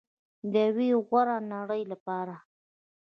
د یوې غوره نړۍ لپاره.